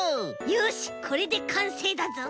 よしこれでかんせいだぞ。